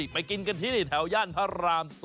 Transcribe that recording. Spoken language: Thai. ไปกินกันที่แถวย่านพระราม๒